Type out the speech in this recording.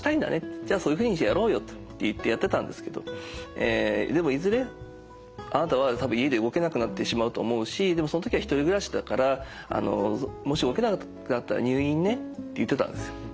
じゃあそういうふうにしてやろうよ」と言ってやってたんですけど「でもいずれあなたは多分家で動けなくなってしまうと思うしでもその時は１人暮らしだからもし動けなくなったら入院ね」って言ってたんですよ。